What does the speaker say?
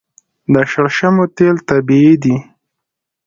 د شړشمو تیل طبیعي دي.